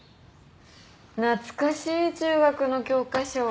懐かしい中学の教科書。